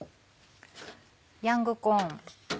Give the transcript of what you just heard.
ヤングコーン。